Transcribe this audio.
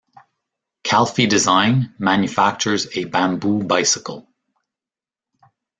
Calfee Design manufactures a bamboo bicycle.